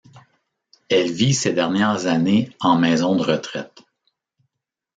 Elle vit ses dernières années en maison de retraite.